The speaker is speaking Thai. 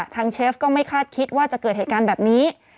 เชฟก็ไม่คาดคิดว่าจะเกิดเหตุการณ์แบบนี้